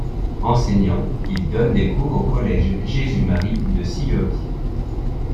Enseignant, il donne des cours au Collège Jésus-Marie de Sillery.